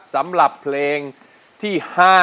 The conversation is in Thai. สำหรับเพลงที่๕